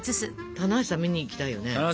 棚橋さん見に行きたいね。